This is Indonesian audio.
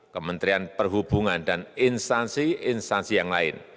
kementerian perhubungan dan instansi instansi yang lain